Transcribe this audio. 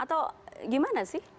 atau gimana sih